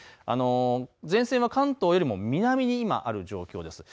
前線は関東よりも南に今ある状況です。